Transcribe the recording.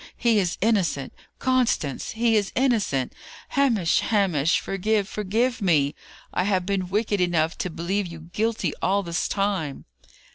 he is innocent! Constance, he is innocent! Hamish, Hamish! forgive forgive me! I have been wicked enough to believe you guilty all this time!"